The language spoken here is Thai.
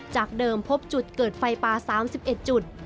จากเดิมพบจุดเกิดไฟป่า๓๑จุด